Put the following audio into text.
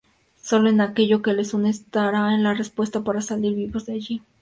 Sólo en aquello que les une estará la respuesta para salir vivos de allí.